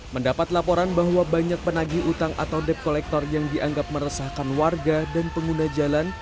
mendapat laporan bahwa banyak penagih utang atau debt collector yang dianggap meresahkan warga dan pengguna jalan